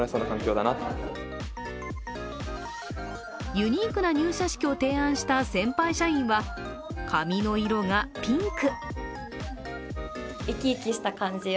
ユニークな入社式を提案した先輩社員は髪の色がピンク。